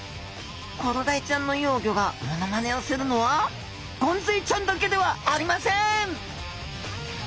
コロダイちゃんの幼魚がモノマネをするのはゴンズイちゃんだけではありません！